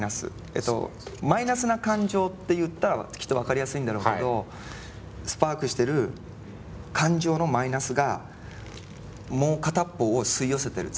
えっとマイナスな感情って言ったらきっと分かりやすいんだろうけど「スパークしてる感情のマイナスがもう片っぽを吸い寄せてる」